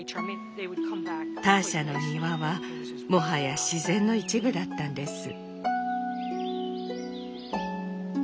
ターシャの庭はもはや自然の一部だったんです。